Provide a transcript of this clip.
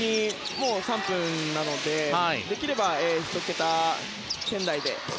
もう３分なのでできれば１桁圏内に。